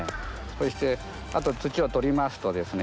そしてあと土を取りますとですね